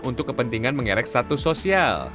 untuk kepentingan mengerek status sosial